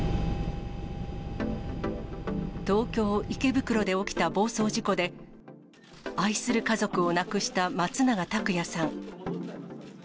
東京・池袋で起きた暴走事故で、愛する家族を亡くした松永拓也さん。